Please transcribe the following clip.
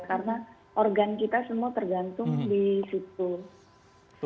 karena organ kita semua tergantung di situ